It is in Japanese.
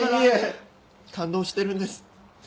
いえ感動してるんです